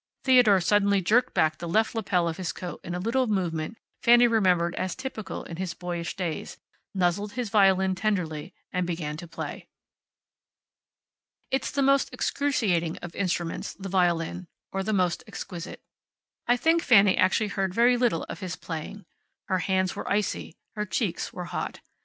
Theodore suddenly jerked back the left lapel of his coat in a little movement Fanny remembered as typical in his boyish days, nuzzled his violin tenderly, and began to play. It is the most excruciating of instruments, the violin, or the most exquisite. I think Fanny actually heard very little of his playing. Her hands were icy. Her cheeks were hot.